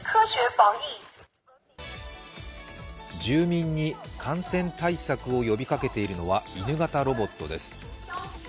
住民に感染対策を呼びかけているのはイヌ型ロボットです。